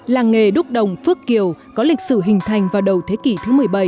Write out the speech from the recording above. làng nghề đúc đồng phước kiều có lịch sử hình thành vào đầu thế kỷ thứ một mươi bảy